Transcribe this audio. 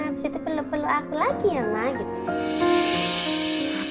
beserta pelu pelu aku lagi ya ma